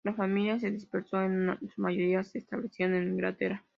La familia se dispersó, y en su mayoría se establecieron en Inglaterra.